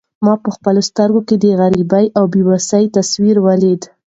ما په خپلو سترګو کې د غریبۍ او بې وسۍ تصویر ولید.